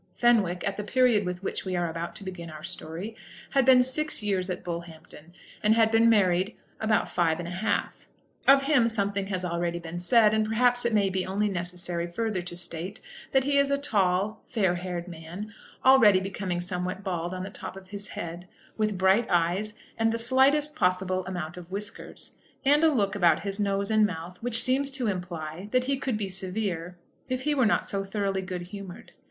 Fenwick, at the period with which we are about to begin our story, had been six years at Bullhampton, and had been married about five and a half. Of him something has already been said, and perhaps it may be only necessary further to state that he is a tall, fair haired man, already becoming somewhat bald on the top of his head, with bright eyes, and the slightest possible amount of whiskers, and a look about his nose and mouth which seems to imply that he could be severe if he were not so thoroughly good humoured.